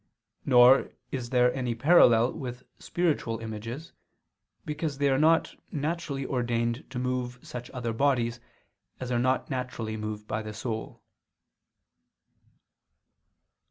Nor is there any parallel with spiritual images, because they are not naturally ordained to move such other bodies as are not naturally moved by the soul.